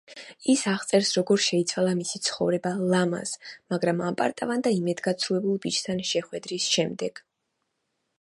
ის აღწერს როგორ შეიცვალა მისი ცხოვრება ლამაზ, მაგრამ ამპარტავან და იმედგაცრუებულ ბიჭთან შეხვედრის შემდეგ.